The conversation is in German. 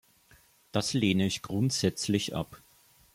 Das lehne ich grundsätzlich ab.